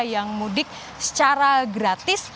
yang mudik secara gratis